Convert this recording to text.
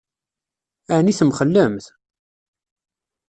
Ɛni temxellemt?